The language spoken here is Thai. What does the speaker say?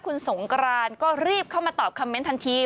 คุณสงกรานก็รีบเข้ามาตอบคอมเมนต์ทันที